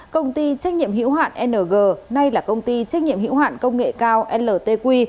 công ty trách nhiệm hữu hạn ng nay là công ty trách nhiệm hữu hoạn công nghệ cao ltq